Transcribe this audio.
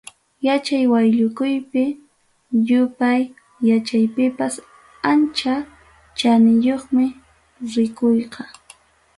Yachay wayllukuypi, yupay yachaypipas ancha chaniyuqmi rikuyqa.